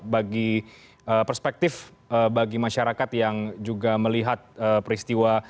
bagi perspektif bagi masyarakat yang juga melihat peristiwa